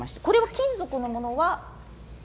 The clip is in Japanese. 金属のものは？